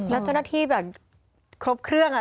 แล้วเจ้าหน้าที่แบบครบเครื่อง